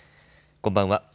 こんばんは。